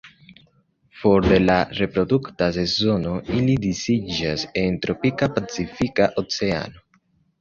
For de la reprodukta sezono ili disiĝas en tropika Pacifika Oceano.